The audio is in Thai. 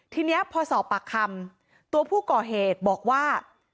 ทีนี้พอสอบปากคำตัวผู้ก่อเหตุบอกว่า